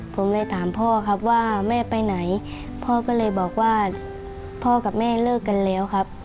ผมเลยถามพ่อครับว่าแม่ไปไหนพ่อก็เลยบอกว่าพ่อกับแม่เลิกกันแล้วครับ